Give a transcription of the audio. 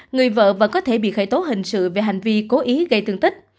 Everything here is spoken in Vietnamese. người vợ vẫn có thể bị khởi tố hình sự về hành vi cố ý gây tương tích